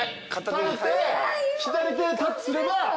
耐えて左手でタッチすれば。